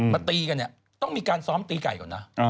ตีกันเนี่ยต้องมีการซ้อมตีไก่ก่อนนะ